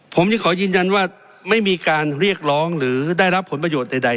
ผมยังขอยืนยันว่าไม่มีการเรียกร้องหรือได้รับผลประโยชน์ใด